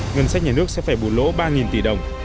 ngân sách nhà nước sẽ phải bù lỗ ba tỷ đồng